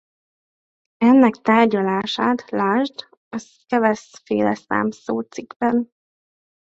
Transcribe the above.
Ennek tárgyalását lásd a Skewes-féle szám szócikkben.